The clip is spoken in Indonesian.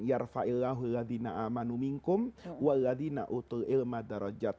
yarfail lahul ladina amanu minkum wa ladina utul ilma darajat